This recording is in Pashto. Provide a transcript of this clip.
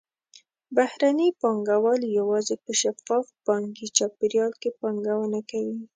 بهرني پانګهوال یوازې په شفاف بانکي چاپېریال کې پانګونه کوي.